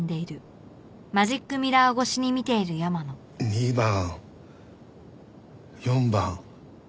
２番４番。